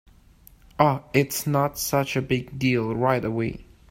Oh, it’s not such a big deal right away.